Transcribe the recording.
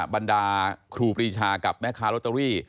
บรรดาครูปรีชากับแม่ค้าลอตเตอรี่